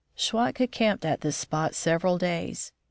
Schwatka camped at this spot several days.